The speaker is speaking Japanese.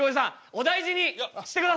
お大事にしてください！